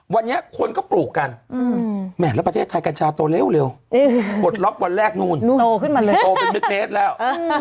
วันนี้คนก็ปลูกกันแหม่แล้วประเทศไทยกัญชาโตเร็วปลดล็อกวันแรกนู่นโตขึ้นมาเลยโตเป็นลึกเมตรแล้ว